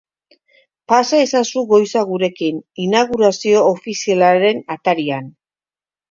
Pasa ezazue goiza gurekin, inaugurazio ofizialaren atarian!